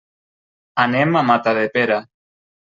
Anem a Matadepera.